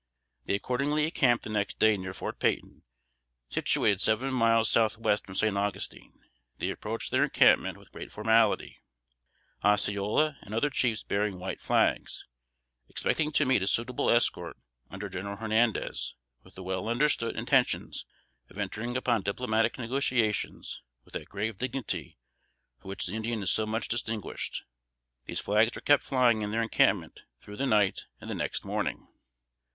They accordingly encamped the next day near Fort Peyton, situated seven miles south west from San Augustine. They approached their encampment with great formality: Osceola and other chiefs bearing white flags, expecting to meet a suitable escort under General Hernandez, with the well understood intentions of entering upon diplomatic negotiations with that grave dignity for which the Indian is so much distinguished. These flags were kept flying in their encampment through the night and the next morning.